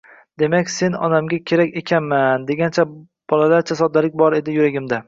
Demak, men onamga kerak ekanman, degan bolalarcha soddalik bor edi yuragimda